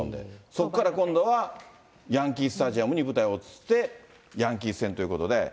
そこから今度は、ヤンキースタジアムに舞台を移して、ヤンキース戦ということで。